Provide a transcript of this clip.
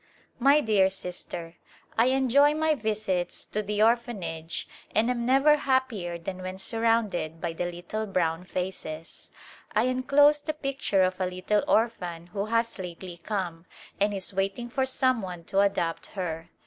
My dear Sister : I enjoy my visits to the Orphanage, and am never happier than when surrounded by the Httle brown faces. I enclose the picture of a little orphan who has lately come, and is waiting for some one to adopt her.